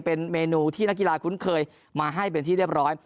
เป็นเมนูที่นักกีฬาคุ้นเคยมาให้เป็นที่เรียบร้อย